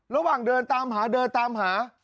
ระหว่างเดินตามหาเดินตามหา